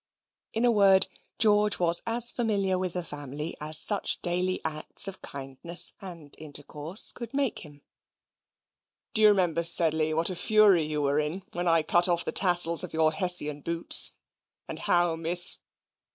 In a word, George was as familiar with the family as such daily acts of kindness and intercourse could make him. "Do you remember, Sedley, what a fury you were in, when I cut off the tassels of your Hessian boots, and how Miss hem!